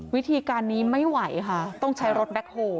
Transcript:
วิธีการนี้ไม่ไหวค่ะต้องใช้รถแบ็คโฮล